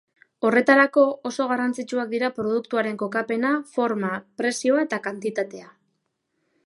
Horretarako, oso garrantzitsuak dira produktuaren kokapena, forma, prezioa eta kantitatea.